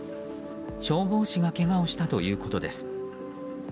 消防士がけがをしたということです。